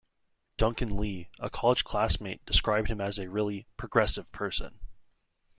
Duncan Lee, a college classmate, described him as a really "progressive person".